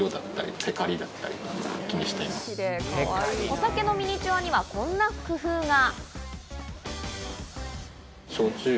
お酒のミニチュアにはこんな工夫が。